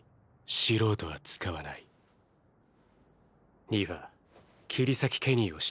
素人は使わないニファ「切り裂きケニー」を知ってるか？